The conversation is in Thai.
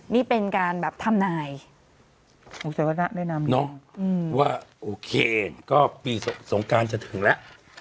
นี่เป็นการแบบทำหน่ายโอเคก็ปีสงการจะถึงแล้ว